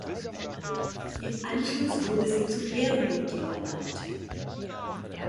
Im Anschluss wurde sie zum Ehrenmitglied ernannt.